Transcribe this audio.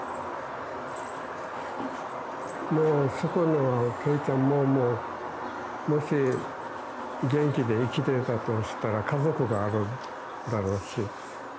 もうそこには恵ちゃんももし元気で生きてたとしたら家族があるだろうし。